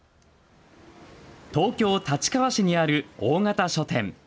東京・立川市にある大型書店。